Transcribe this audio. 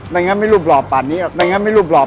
ไม่งั้นไม่รู้รอบป่านนี้หรอก